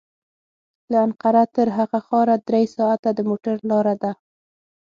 له انقره تر هغه ښاره درې ساعته د موټر لاره ده.